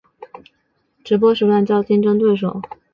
直播时段较竞争对手无线娱乐新闻台为多。